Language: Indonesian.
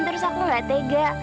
terus aku gak tega